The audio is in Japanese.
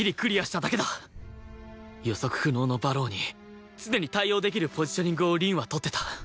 予測不能の馬狼に常に対応できるポジショニングを凛は取ってた